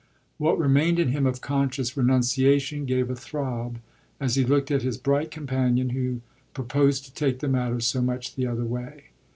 What remained in him of conscious renunciation gave a throb as he looked at his bright companion, who proposed to take the matter so much the other way.